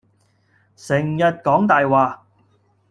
成日講大話